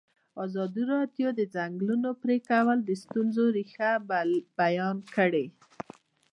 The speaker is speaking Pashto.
ازادي راډیو د د ځنګلونو پرېکول د ستونزو رېښه بیان کړې.